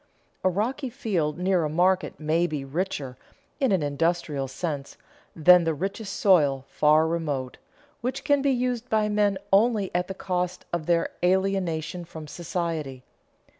A rocky field near a market may be richer, in an industrial sense, than the richest soil far remote, which can be used by men only at the cost of their alienation from society.